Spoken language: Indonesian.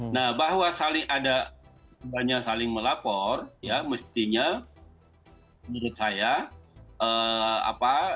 nah bahwa saling ada saling melapor ya mestinya menurut saya